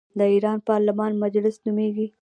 د ایران پارلمان مجلس نومیږي.